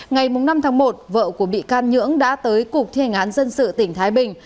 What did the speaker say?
ngày năm tháng một vợ của bị can nhưỡng đã tới cục thi hành án dân sự tỉnh thái bình